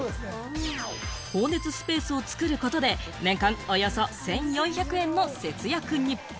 放熱スペースを作ることで、年間およそ１４００円も節約に。